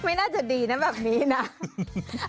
ไม่น่าจะดีนะแบบนี้นะ